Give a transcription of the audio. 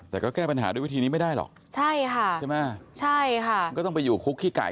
แต่ก็แก้ปัญหาด้วยวิธีนี้ไม่ได้หรอก